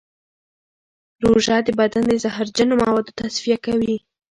روژه د بدن د زهرجنو موادو تصفیه کوي.